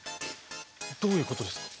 どういうことですか？